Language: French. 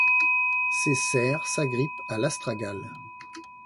Ses serres s'agrippent à l'astragale.